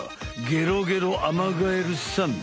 ゲロゲロアマガエルさん。